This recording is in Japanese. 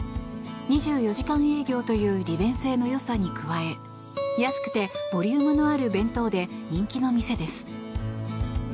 ２４時間営業という利便性の良さに加え安くてボリュームのある弁当で人気の店です。